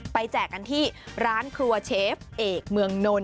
แจกกันที่ร้านครัวเชฟเอกเมืองนนท